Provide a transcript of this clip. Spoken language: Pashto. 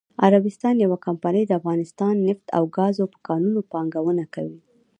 عربستان یوه کمپنی دافغانستان نفت او ګازو په کانونو پانګونه کوي.😱